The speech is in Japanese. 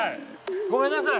ごめんなさい。